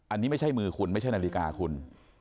อันนี้ไม่ใช่มือคุณไม่ใช่นาฬิกาคุณ